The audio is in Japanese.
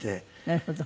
なるほど。